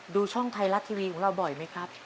ดูช่องไทยรัฐทีวีของเราบ่อยไหมครับ